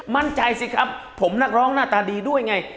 มั่นใจสิครับผมนักร้องหน้าตาดีด้วยไง